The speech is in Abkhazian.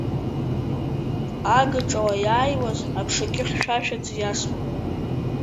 Агаҿала иааиуаз аԥшагьы хьшәашәаӡа иасуан.